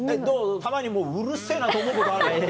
たまにうるせぇなと思うことある？